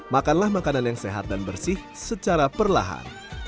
makanlah makanan yang sehat dan bersih secara perlahan